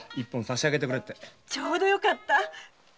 ちょうどよかった。